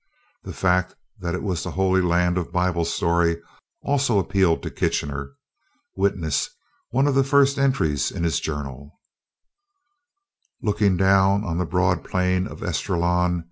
The fact that it was the Holy Land of Bible story also appealed to Kitchener. Witness one of the first entries in his Journal: "Looking down on the broad plain of Esdraelon